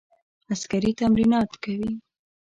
عسکري تمرینات کوي.